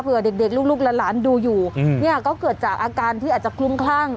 เผื่อเด็กเด็กลูกลูกละล้านดูอยู่อืมเนี้ยก็เกิดจากอาการที่อาจจะคลุ้งคลั่ง